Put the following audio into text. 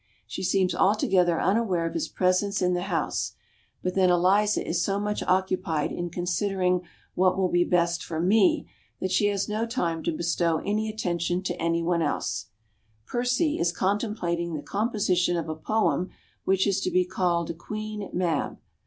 She seems altogether unaware of his presence in the house; but then Eliza is so much occupied in considering what will be best for me that she has no time to bestow any attention to anything else. Percy is contemplating the composition of a poem which is to be called "Queen Mab."